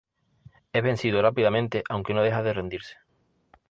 Es vencido rápidamente aunque no deja de rendirse.